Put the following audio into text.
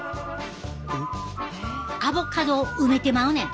アボカドを埋めてまうねん！